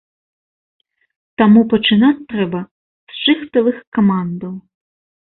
Таму пачынаць трэба з шыхтавых камандаў.